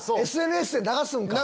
ＳＮＳで流すんか。